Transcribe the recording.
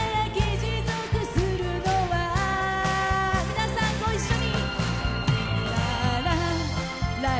皆さん、ご一緒に！